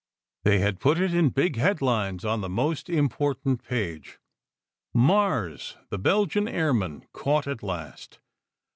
They had put it in big headlines on the most important page : "Mars, the Belgian Airman, Caught at Last.